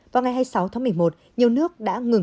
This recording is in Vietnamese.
vào ngày hai mươi sáu tháng một mươi một nhiều nước đã ngừng